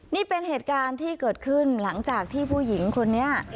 นี่เป็นเหตุการณ์ที่เกิดขึ้นหลังจากที่ผู้หญิงคนนี้